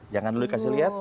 jangan dulu kasih lihat